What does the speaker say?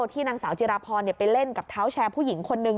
ที่นางสาวจิราพรไปเล่นกับเท้าแชร์ผู้หญิงคนนึง